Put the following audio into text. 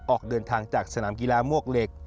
ออกเดินทางจากสนามกีฬามวกเหล็ก